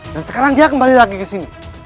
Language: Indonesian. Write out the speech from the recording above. dan sekarang dia kembali lagi ke sini